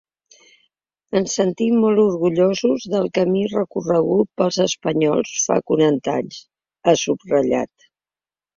“Ens sentim molt orgullosos del camí recorregut pels espanyols fa quaranta anys”, ha subratllat.